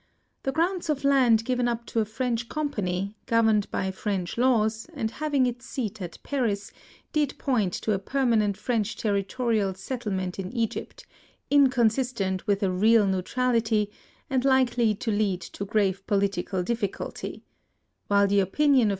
The grants of land given up to a French company, gov erned by French laws, and having its seat at Paris, did point to a permanent French territorial settlement in Egypt, inconsistent with a real neutrality, and likely to lead to grave political difficulty ; while the opinion PREFACE.